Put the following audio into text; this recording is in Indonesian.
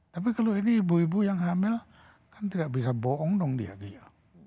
tapi kalau ini ibu ibu yang hamil kan tidak bisa bohong dong dia